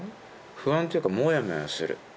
不安っていうかモヤモヤする。